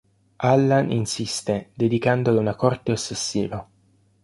Allan insiste, dedicandole una corte ossessiva.